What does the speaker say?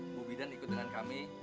ibu bidan ikut dengan kami